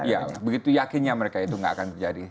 ya begitu yakinnya mereka itu gak akan terjadi